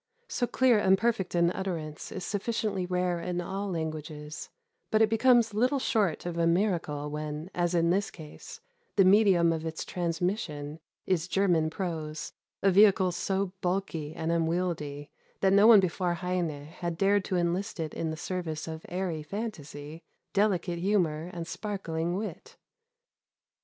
So clear and perfect an utterance is sufficiently rare in all languages; but it becomes little short of a miracle when, as in this case, the medium of its transmission is German prose, a vehicle so bulky and unwieldy that no one before Heine had dared to enlist it in the service of airy phantasy, delicate humor and sparkling wit.